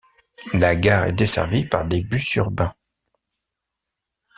La gare est desservie par des bus urbains.